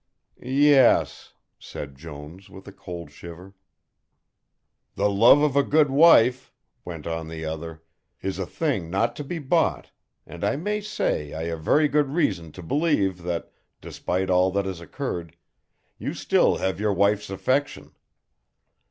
"Yes," said Jones, with a cold shiver. "The love of a good wife," went on the other, "is a thing not to be bought, and I may say I have very good reason to believe that, despite all that has occurred, you still have your wife's affection.